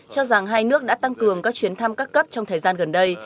cho rằng hai nước đã tăng cường các chuyến thăm các cấp trong thời gian gần đây